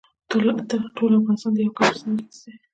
ټول افغانستان دې يوه کس په سر اخيستی.